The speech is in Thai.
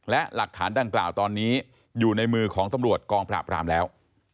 และหลักฐานดังกล่าวตอนนี้อยู่ในมือของตำรวจกองปราบรามแล้ว